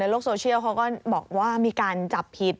โลกโซเชียลเขาก็บอกว่ามีการจับผิด